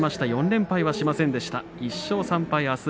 ４連敗はしませんでした１勝３敗。